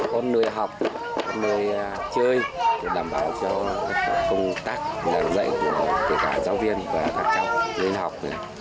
có nơi học có nơi chơi đảm bảo cho công tác làm dạy của tất cả giáo viên và các cháu lên học